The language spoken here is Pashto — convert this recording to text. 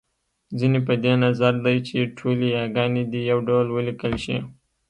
ځينې په دې نظر دی چې ټولې یاګانې دې يو ډول وليکل شي